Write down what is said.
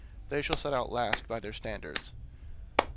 They shall set out last by their standards."